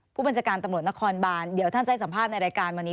ผู้บัญชาการตำรวจนครบานเดี๋ยวท่านจะให้สัมภาษณ์ในรายการวันนี้